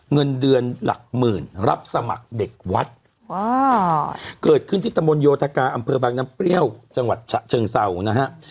เงินเดือนหลักหมื่นรับสมัครเด็กวัดเกิดขึ้นที่ตะมนตโยธกาอำเภอบางน้ำเปรี้ยวจังหวัดฉะเชิงเศร้านะฮะ